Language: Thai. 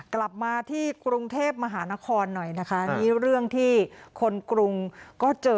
กลับมาที่กรุงเทพมหานครหน่อยนะคะนี่เรื่องที่คนกรุงก็เจอ